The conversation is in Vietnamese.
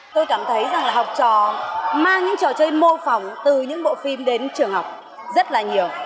tôi cảm thấy rằng là học trò mang những trò chơi mô phỏng từ những bộ phim đến trường học rất là nhiều